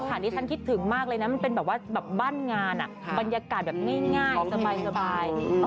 อันนี้ฉันคิดถึงมากเลยนะมันเป็นแบบว่าแบบบ้านงานบรรยากาศแบบง่ายสบาย